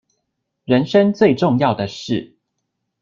人生最重要的事